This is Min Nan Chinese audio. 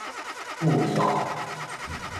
富陽